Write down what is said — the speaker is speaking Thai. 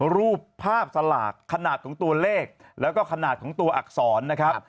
รูปภาพสลากขนาดของตัวเลขแล้วก็ขนาดของตัวอักษรนะครับ